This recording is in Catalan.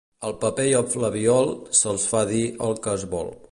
Al paper i al flabiol se'ls fa dir el que es vol.